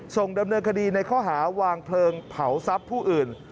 ส่งดำเนินคดีในข้อหาวางเพลิงเผาทรัพย์ผู้อื่น